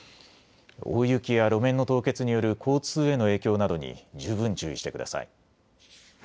大雪や路面の凍結による交通への影響などに十分注意してください。